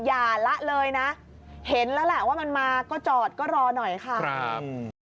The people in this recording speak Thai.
อย่าละเลยนะเห็นแล้วแหละว่ามันมาก็จอดก็รอหน่อยค่ะครับ